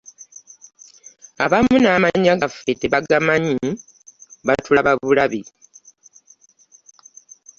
Abamu n'amannya gaffe tebagamanyi batulaba bulabi.